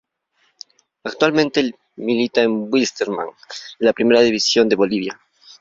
Actualmente milita en Wilstermann de la Primera División de Bolivia.